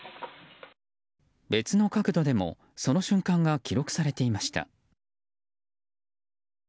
別の角度でもその瞬間が記録されていました。